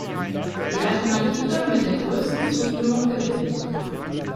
Die Alternative mit der größten Zustimmung gewinnt.